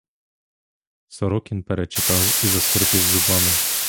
Сорокін перечитав і заскрипів зубами.